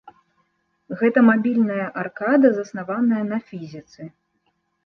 Гэта мабільная аркада заснаваная на фізіцы.